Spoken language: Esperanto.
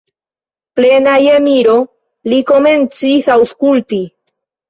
Plena je miro, li komencis aŭskulti.